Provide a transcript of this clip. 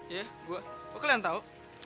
iya gue kok kalian tau